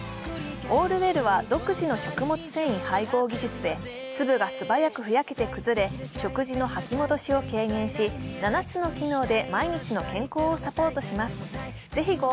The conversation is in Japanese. ＡｌｌＷｅｌｌは独自の食物繊維配合技術で粒が素早くふやけて崩れ、食事の吐き戻しを軽減し、７つの機能で毎日の健康をサポートします。